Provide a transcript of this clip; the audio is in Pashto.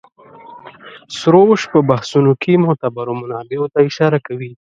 سروش په بحثونو کې معتبرو منابعو ته اشاره کوي.